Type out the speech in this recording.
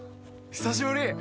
久しぶり。